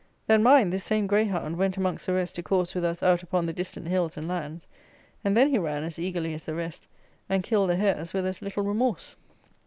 Then, mind, this same greyhound went amongst the rest to course with us out upon the distant hills and lands; and then he ran as eagerly as the rest, and killed the hares with as little remorse.